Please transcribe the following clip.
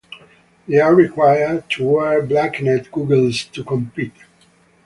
They are required to wear blackened goggles to compete.